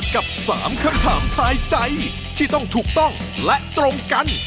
กับ๓คำถามทายใจที่ต้องถูกต้องและตรงกัน